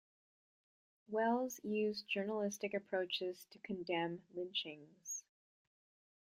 Wells used journalistic approaches to condemn lynchings.